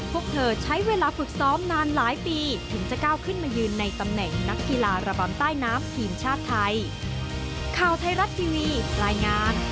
พวกเธอใช้เวลาฝึกซ้อมนานหลายปีถึงจะก้าวขึ้นมายืนในตำแหน่งนักกีฬาระบำใต้น้ำทีมชาติไทย